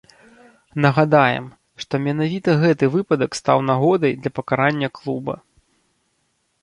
Нагадаем, што менавіта гэты выпадак стаў нагодай для пакарання клуба.